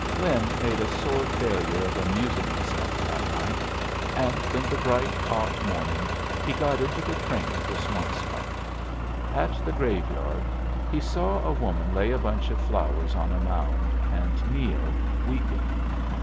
Lin made a sore failure of amusing himself that night; and in the bright, hot morning he got into the train for Swampscott. At the graveyard he saw a woman lay a bunch of flowers on a mound and kneel, weeping.